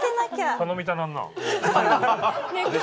頼みたくなるな。